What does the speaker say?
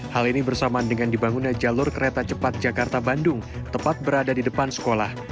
hal ini bersamaan dengan dibangunnya jalur kereta cepat jakarta bandung tepat berada di depan sekolah